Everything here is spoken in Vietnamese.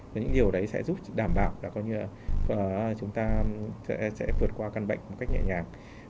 thì những điều đấy sẽ giúp đảm bảo là coi như là chúng ta sẽ vượt qua căn bệnh một cách nhẹ nhàng